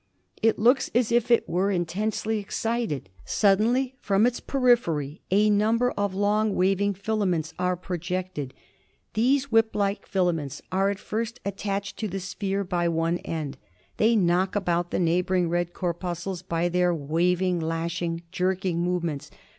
It looks as if it were in tensely excited. Sud denly from its periphery a number of long wav ing filaments are pro jected. These whip like filaments are at first at i'9*' ^^^ tached to the sphere by ^H " one end. They knock \ about the neighbouring red corpuscles by their waving, lashing, jerking movements.